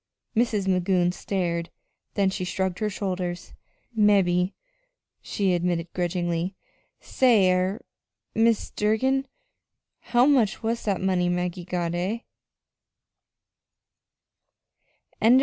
Mrs. Magoon stared, then she shrugged her shoulders. "Mebbe," she admitted grudgingly. "Say er Mis' Durgin, how much was that money Maggie got eh?"